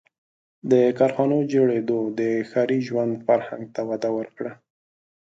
• د کارخانو جوړېدو د ښاري ژوند فرهنګ ته وده ورکړه.